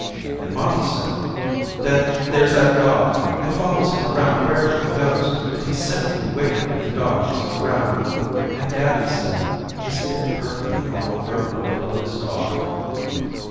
And mommy said then there's that dog it follows him around wherever he goes, and he's simply wicked if the dog isn't around, and daddy said isn't it perfectly normal for a boy to love his dog?